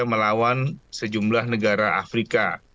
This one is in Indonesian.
untuk bertanding dengan beberapa negara afrika